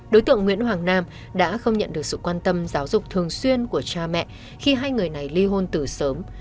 đối tượng nguyễn hoàng nam đã không nhận được sự quan tâm giáo dục thường xuyên của cha mẹ khi hai người này ly hôn từ sớm